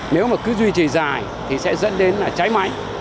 nếu mà cứ duy trì dài thì sẽ dẫn đến là cháy máy